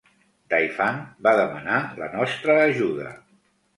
Daifang va demanar la nostra ajuda.